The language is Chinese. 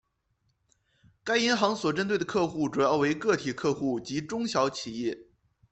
该银行所针对的客户主要为个体客户及中小企业。